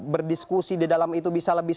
berdiskusi di dalam itu bisa lebih